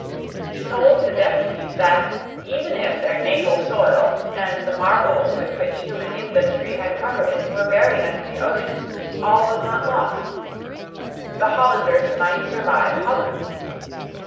He told the deputies that, even if their natal soil and the marvels with which human industry had covered it were buried under the ocean, all was not lost. The Hollanders might survive Holland.